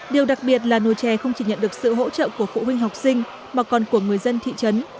điều đặc biệt là nồi chè không chỉ nhận được sự hỗ trợ của phụ huynh học sinh mà còn của người dân thị trấn